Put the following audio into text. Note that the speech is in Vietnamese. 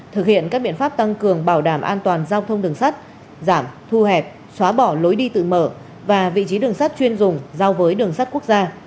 thực hiện các biện pháp tăng cường bảo đảm an toàn giao thông đường sắt giảm thu hẹp xóa bỏ lối đi tự mở và vị trí đường sắt chuyên dùng giao với đường sắt quốc gia